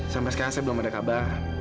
sampai sekarang saya belum ada kabar